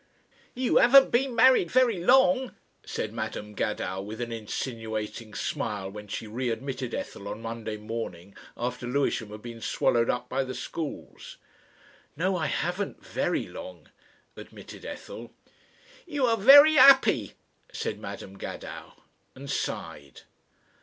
"You 'aven't bin married ver' long," said Madam Gadow with an insinuating smile, when she readmitted Ethel on Monday morning after Lewisham had been swallowed up by the Schools. "No, I haven't very long," admitted Ethel. "You are ver' 'appy," said Madam Gadow, and sighed.